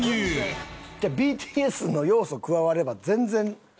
ＢＴＳの要素加われば全然。